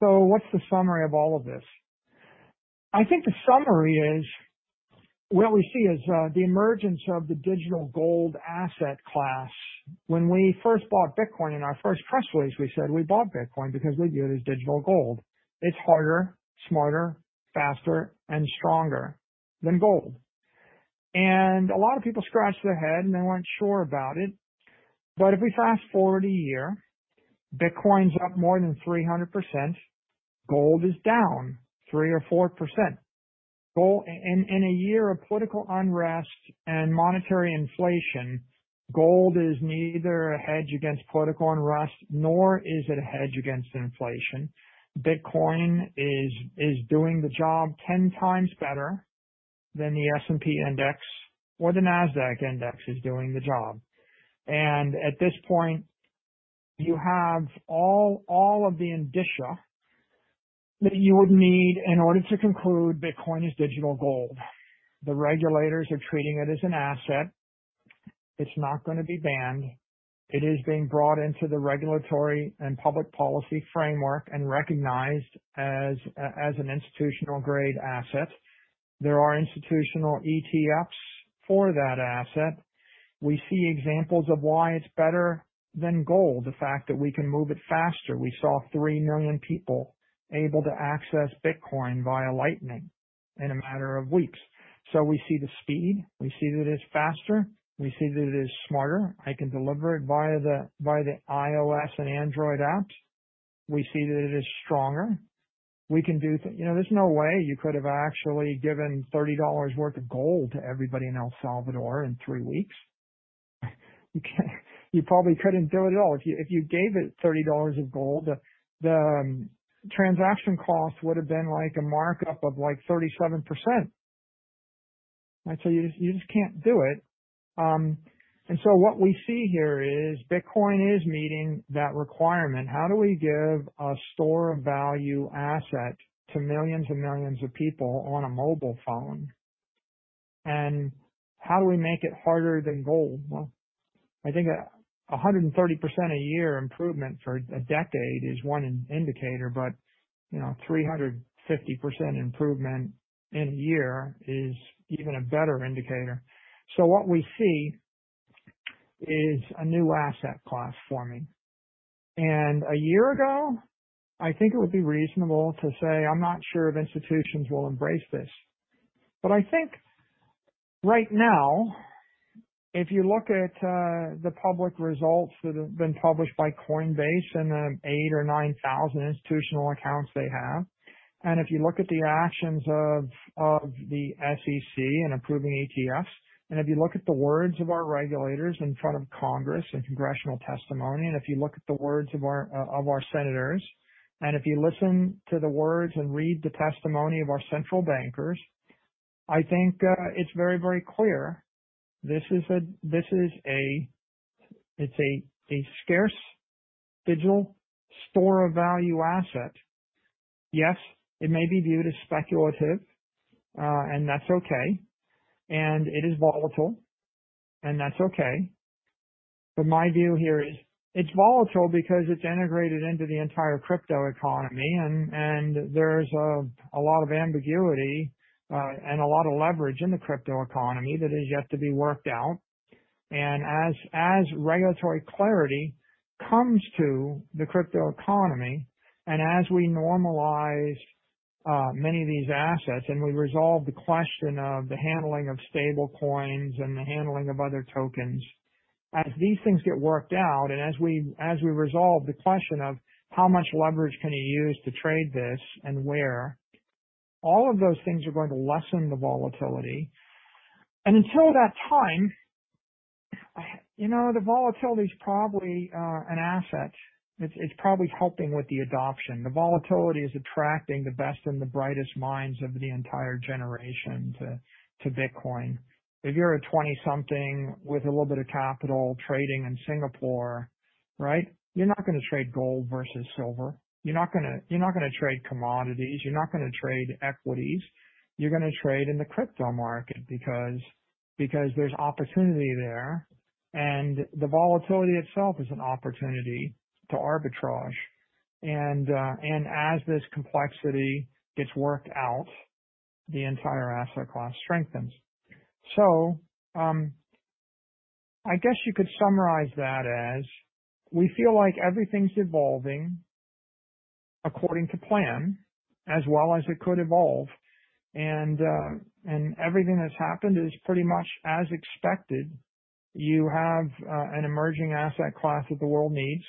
What's the summary of all of this? I think the summary is what we see is, the emergence of the digital gold asset class. When we first bought Bitcoin in our first press release, we said we bought Bitcoin because we view it as digital gold. It's harder, smarter, faster, and stronger than gold. A lot of people scratched their head, and they weren't sure about it. If we fast-forward a year, Bitcoin's up more than 300%. Gold is down 3% or 4%. In a year of political unrest and monetary inflation, gold is neither a hedge against political unrest nor is it a hedge against inflation. Bitcoin is doing the job 10x better than the S&P index or the Nasdaq index is doing the job. At this point, you have all of the indicia that you would need in order to conclude Bitcoin is digital gold. The regulators are treating it as an asset. It's not gonna be banned. It is being brought into the regulatory and public policy framework and recognized as an institutional grade asset. There are institutional ETFs for that asset. We see examples of why it's better than gold, the fact that we can move it faster. We saw three million people able to access Bitcoin via Lightning in a matter of weeks. We see the speed. We see that it is faster. We see that it is smarter. I can deliver it via the iOS and Android apps. We see that it is stronger. You know, there's no way you could have actually given $30 worth of gold to everybody in El Salvador in three weeks. You can't. You probably couldn't do it at all. If you gave it $30 of gold, the transaction cost would have been like a markup of like 37%. You just can't do it. What we see here is Bitcoin is meeting that requirement. How do we give a store of value asset to millions and millions of people on a mobile phone? How do we make it harder than gold? Well, I think 130% a year improvement for a decade is one indicator, but you know, 350% improvement in a year is even a better indicator. What we see is a new asset class forming. A year ago, I think it would be reasonable to say I'm not sure if institutions will embrace this. I think right now, if you look at the public results that have been published by Coinbase and the 8,000 or 9,000 institutional accounts they have, and if you look at the actions of the SEC in approving ETFs, and if you look at the words of our regulators in front of Congress in congressional testimony, and if you look at the words of our senators, and if you listen to the words and read the testimony of our central bankers, I think it's very, very clear this is a scarce digital store of value asset. Yes, it may be viewed as speculative, and that's okay. It is volatile, and that's okay. My view here is it's volatile because it's integrated into the entire crypto economy and there's a lot of ambiguity and a lot of leverage in the crypto economy that is yet to be worked out. As regulatory clarity comes to the crypto economy and as we normalize many of these assets, and we resolve the question of the handling of stablecoins and the handling of other tokens, as these things get worked out and as we resolve the question of how much leverage can you use to trade this and where, all of those things are going to lessen the volatility. Until that time, you know, the volatility is probably an asset. It's probably helping with the adoption. The volatility is attracting the best and the brightest minds of the entire generation to Bitcoin. If you're a 20-something with a little bit of capital trading in Singapore, right? You're not gonna trade gold versus silver. You're not gonna trade commodities. You're not gonna trade equities. You're gonna trade in the crypto market because there's opportunity there. The volatility itself is an opportunity to arbitrage. As this complexity gets worked out, the entire asset class strengthens. I guess you could summarize that as we feel like everything's evolving according to plan, as well as it could evolve. Everything that's happened is pretty much as expected. You have an emerging asset class that the world needs.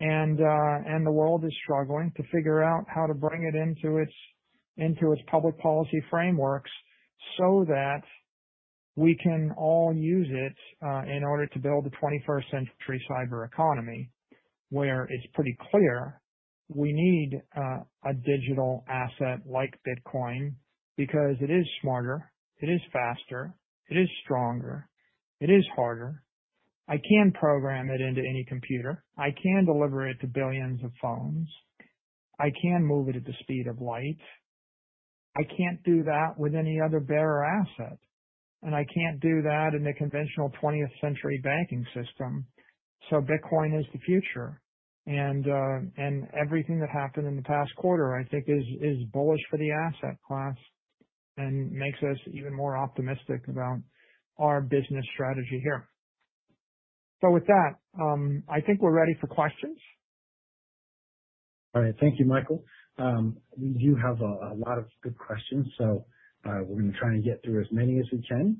The world is struggling to figure out how to bring it into its public policy frameworks so that we can all use it in order to build the twenty-first century cyber economy, where it's pretty clear we need a digital asset like Bitcoin because it is smarter, it is faster, it is stronger, it is harder. I can program it into any computer. I can deliver it to billions of phones. I can move it at the speed of light. I can't do that with any other bearer asset, and I can't do that in a conventional twentieth-century banking system. Bitcoin is the future. Everything that happened in the past quarter, I think, is bullish for the asset class and makes us even more optimistic about our business strategy here. With that, I think we're ready for questions. All right. Thank you, Michael. We do have a lot of good questions, we're gonna try and get through as many as we can.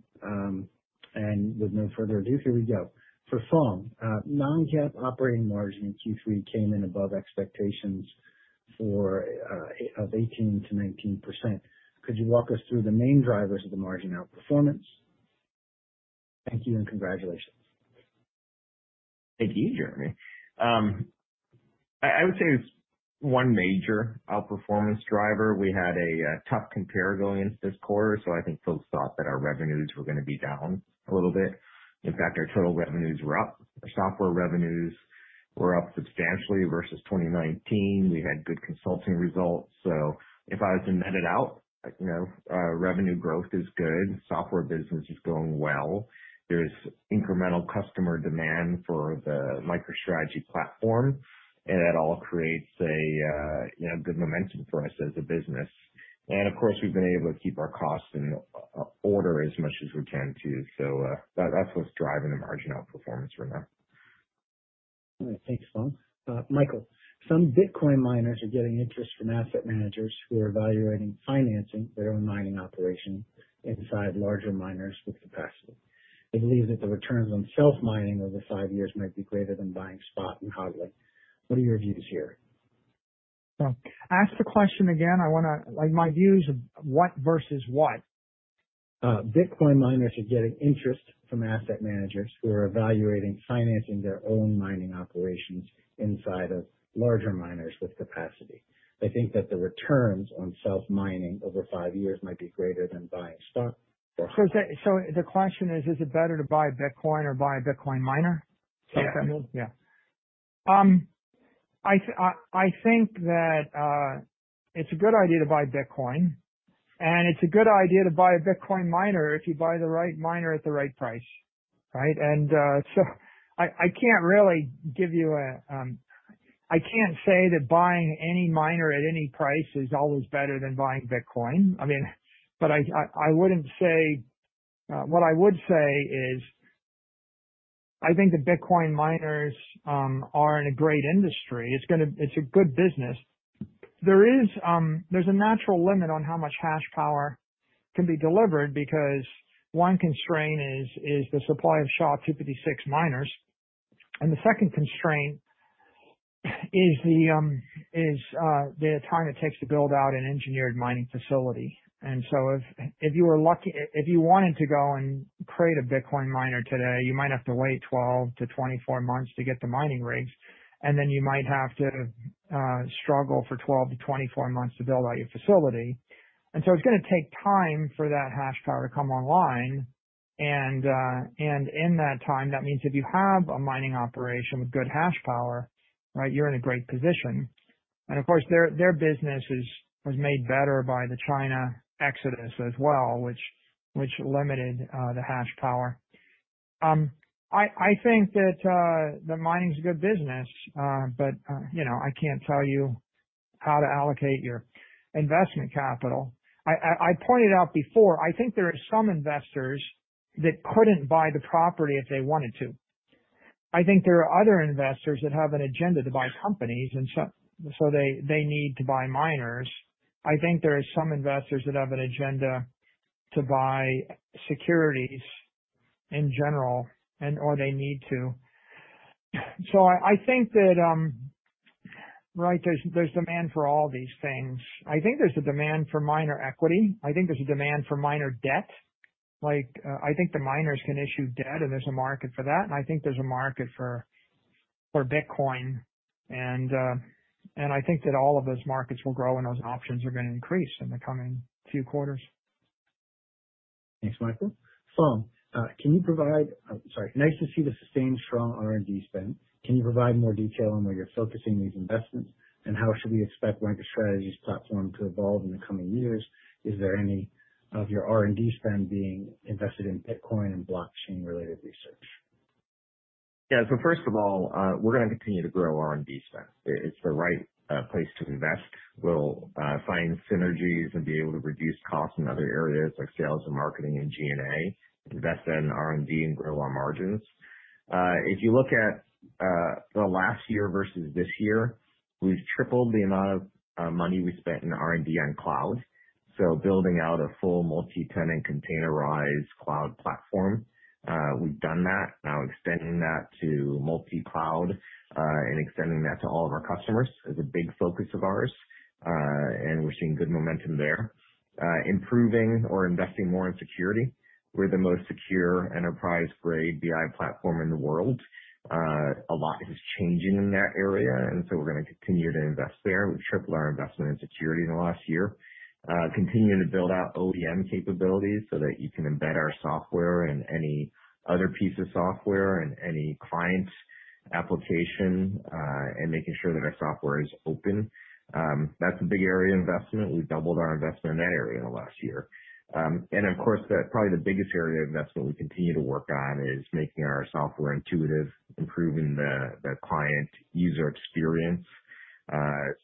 With no further ado, here we go. For Phong, non-GAAP operating margin in Q3 came in above expectations of 18%-19%. Could you walk us through the main drivers of the margin outperformance? Thank you, and congratulations. Thank you, Jeremy. I would say it's one major outperformance driver. We had a tough compare going into this quarter, so I think folks thought that our revenues were gonna be down a little bit. In fact, our total revenues were up. Our software revenues were up substantially versus 2019. We had good consulting results. If I was to net it out, you know, revenue growth is good. Software business is going well. There's incremental customer demand for the MicroStrategy platform. It all creates a good momentum for us as a business. Of course, we've been able to keep our costs in order as much as we can, too. That's what's driving the margin outperformance right now. All right. Thanks, Phong. Michael, some Bitcoin miners are getting interest from asset managers who are evaluating financing their own mining operation inside larger miners with capacity. They believe that the returns on self-mining over five years might be greater than buying spot and HODLing. What are your views here? Ask the question again. I wanna like, my view is what versus what? Bitcoin miners are getting interest from asset managers who are evaluating financing their own mining operations inside of larger miners with capacity. They think that the returns on self-mining over five years might be greater than buying stock or The question is it better to buy Bitcoin or buy a Bitcoin miner? Yeah. Is that what that means? Yeah. I think that it's a good idea to buy Bitcoin, and it's a good idea to buy a Bitcoin miner if you buy the right miner at the right price, right? I can't say that buying any miner at any price is always better than buying Bitcoin. I mean, but I wouldn't say. What I would say is, I think the Bitcoin miners are in a great industry. It's a good business. There is a natural limit on how much hash power can be delivered, because one constraint is the supply of SHA-256 miners. The second constraint is the time it takes to build out an engineered mining facility. If you were lucky... If you wanted to go and create a Bitcoin miner today, you might have to wait 12-24 months to get the mining rigs, and then you might have to struggle for 12-24 months to build out your facility. It's gonna take time for that hash power to come online and in that time, that means if you have a mining operation with good hash power, right? You're in a great position. Of course, their business was made better by the China exodus as well, which limited the hash power. I think that the mining is a good business, but you know, I can't tell you how to allocate your investment capital. I pointed out before, I think there are some investors that couldn't buy the property if they wanted to. I think there are other investors that have an agenda to buy companies and so they need to buy miners. I think there are some investors that have an agenda to buy securities in general and/or they need to. I think that, right, there's demand for all these things. I think there's a demand for miner equity. I think there's a demand for miner debt. Like, I think the miners can issue debt and there's a market for that, and I think there's a market for Bitcoin. I think that all of those markets will grow and those options are gonna increase in the coming few quarters. Thanks, Michael. Phong, nice to see the sustained strong R&D spend. Can you provide more detail on where you're focusing these investments, and how should we expect MicroStrategy's platform to evolve in the coming years? Is there any of your R&D spend being invested in Bitcoin and blockchain-related research? Yeah. First of all, we're gonna continue to grow R&D spend. It's the right place to invest. We'll find synergies and be able to reduce costs in other areas like sales and marketing and G&A, invest that in R&D and grow our margins. If you look at the last year versus this year, we've tripled the amount of money we spent in R&D on cloud, so building out a full multi-tenant containerized cloud platform. We've done that. Now extending that to multi-cloud and extending that to all of our customers is a big focus of ours, and we're seeing good momentum there. Improving or investing more in security. We're the most secure enterprise-grade BI platform in the world. A lot is changing in that area, and so we're gonna continue to invest there. We've tripled our investment in security in the last year. Continuing to build out OEM capabilities so that you can embed our software in any other piece of software and any client application, and making sure that our software is open. That's a big area of investment. We've doubled our investment in that area in the last year. Of course, probably the biggest area of investment we continue to work on is making our software intuitive, improving the client user experience.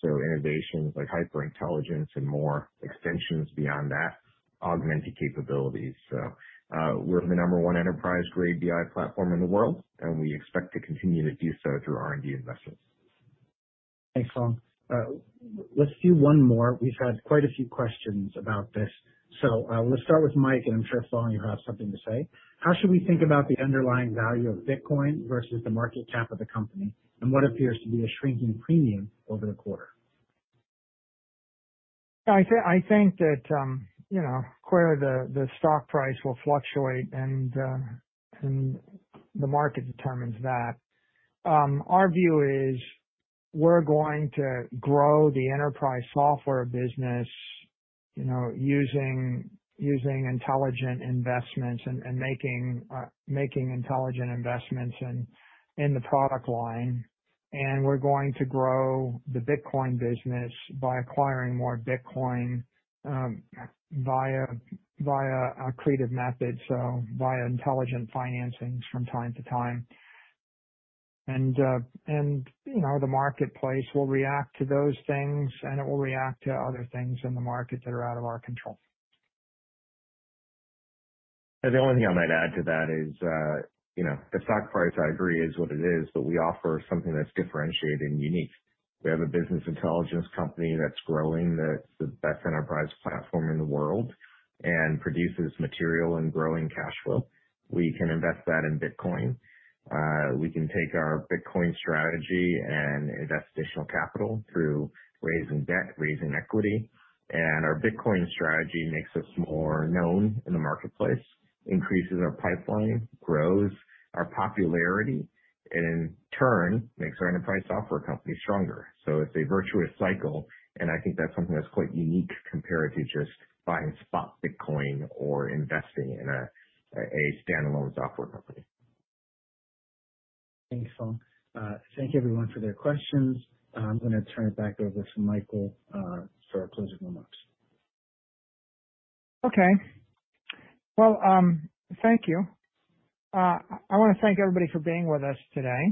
Innovations like HyperIntelligence and more extensions beyond that, augmented capabilities. We're the number one enterprise-grade BI platform in the world, and we expect to continue to do so through R&D investments. Thanks, Phong. Let's do one more. We've had quite a few questions about this. Let's start with Mike, and I'm sure, Phong, you'll have something to say. How should we think about the underlying value of Bitcoin versus the market cap of the company and what appears to be a shrinking premium over the quarter? I think that, you know, clearly the stock price will fluctuate and the market determines that. Our view is, we're going to grow the enterprise software business, you know, using intelligent investments and making intelligent investments in the product line. We're going to grow the Bitcoin business by acquiring more Bitcoin via accretive methods, so via intelligent financings from time to time. You know, the marketplace will react to those things and it will react to other things in the market that are out of our control. The only thing I might add to that is, the stock price, I agree, is what it is, but we offer something that's differentiated and unique. We have a business intelligence company that's growing, that's the best enterprise platform in the world and produces material and growing cash flow. We can invest that in Bitcoin. We can take our Bitcoin strategy and invest additional capital through raising debt, raising equity. Our Bitcoin strategy makes us more known in the marketplace, increases our pipeline, grows our popularity, and in turn makes our enterprise software company stronger. It's a virtuous cycle, and I think that's something that's quite unique compared to just buying spot Bitcoin or investing in a standalone software company. Thanks, Phong. Thank everyone for their questions. I'm gonna turn it back over to Michael for our closing remarks. Okay. Well, thank you. I wanna thank everybody for being with us today,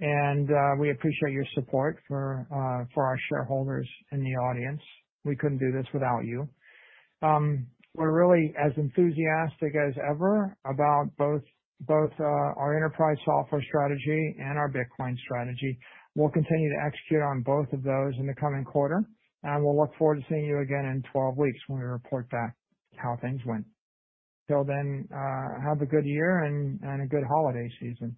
and we appreciate your support for our shareholders in the audience. We couldn't do this without you. We're really as enthusiastic as ever about both our enterprise software strategy and our Bitcoin strategy. We'll continue to execute on both of those in the coming quarter, and we'll look forward to seeing you again in 12 weeks when we report back how things went. Till then, have a good year and a good holiday season.